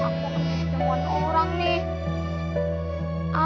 aku akan menjemuan orang nih